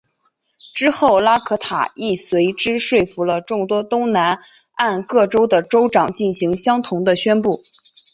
之后拉可塔亦随之说服了众多东岸各州的州长进行相同的宣布。